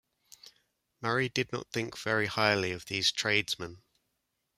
Murray did not think very highly of these tradesmen.